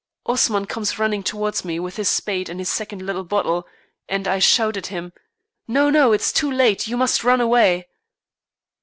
Osman comes running towards me with his spade and his second little bottle, and I shout at him: "No, no, it is too late, you must run away."